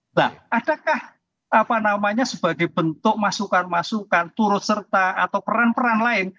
nah adakah apa namanya sebagai bentuk masukan masukan turut serta atau peran peran lain